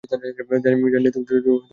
জানি, তুমি আম্মুর কাছে যেতে চাও!